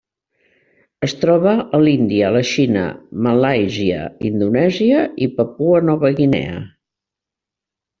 Es troba a l'Índia, la Xina, Malàisia, Indonèsia i Papua Nova Guinea.